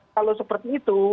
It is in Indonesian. kalau seperti itu